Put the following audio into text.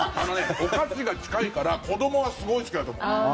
お菓子が近いから子どもはすごい好きだと思う。